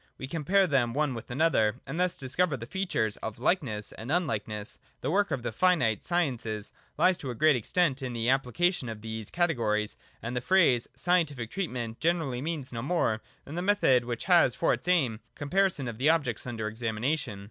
We compare them one with another, and thus discover the features of likeness and unhkeness. The work of the finite sciences lies to a great extent in the application of these categories, and the phrase ' scientific treatment ' generally means no more than the method which has for its aim com parison of the objects under examination.